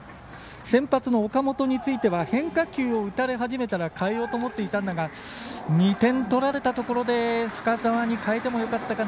先発の岡本については変化球を打たれ始めたら代えようと思っていたんだが２点取られたところで深沢に代えてもよかったかな。